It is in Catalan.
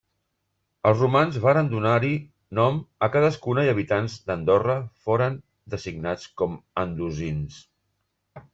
Els romans varen donar-hi nom a cadascuna i habitants d'Andorra foren designats com a Andosins.